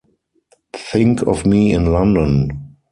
Think of me in London!